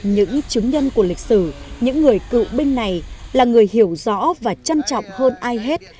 những chứng nhân của lịch sử những người cựu binh này là người hiểu rõ và trân trọng hơn ai hết